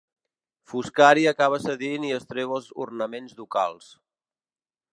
Foscari acaba cedint i es treu els ornaments ducals.